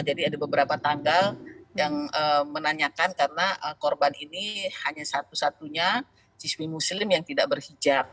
jadi ada beberapa tanggal yang menanyakan karena korban ini hanya satu satunya siswi muslim yang tidak berhijab